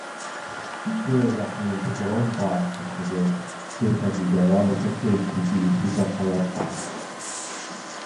그의 가슴은 부끄러움과 감격에 교착이 되어 무섭게 뛰기 시작하였다.